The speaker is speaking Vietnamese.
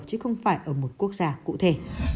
chứ không phải ở một quốc gia cụ thể